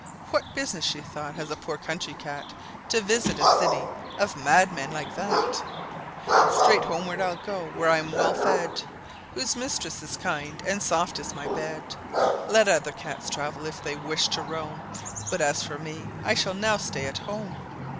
"What business," she thought, "has a poor country cat To visit a city of madmen like that? "Straight homeward I'll go, where I am well fed, Where mistress is kind, and soft is my bed; Let other cats travel, if they wish to roam, But as for myself, I shall now stay at home."